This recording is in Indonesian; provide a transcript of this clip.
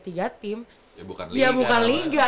tiga tim ya bukan liga